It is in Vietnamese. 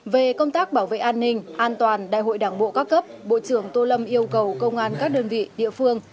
về công tác bảo vệ an ninh an toàn đại hội đảng bộ các cấp bộ trưởng tô lâm yêu cầu công an các đơn vị địa phương